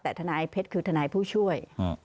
แต่ทนายเพชรคือทนายผู้ช่วย